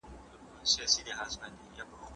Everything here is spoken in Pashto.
دغه حاجي چي دی د پوهني په مابينځ کي یو ستوری دی.